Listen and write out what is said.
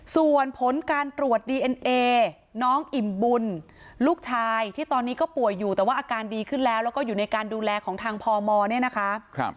ส่วนผลการตรวจดีเอ็นเอน้องอิ่มบุญลูกชายที่ตอนนี้ก็ป่วยอยู่แต่ว่าอาการดีขึ้นแล้วแล้วก็อยู่ในการดูแลของทางพมเนี่ยนะคะ